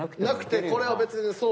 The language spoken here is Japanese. なくてこれは別に。